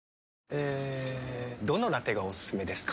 えどのラテがおすすめですか？